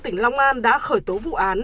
tỉnh long an đã khởi tố vụ án